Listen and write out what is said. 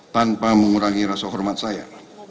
tanpa mengurangi rasa hormat saya